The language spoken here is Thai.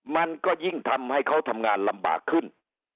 มันก็ยิ่งทำให้เขาทำงานลำบากขึ้น